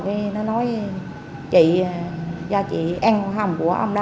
có nhiều điều đâu nhận thông từ mazel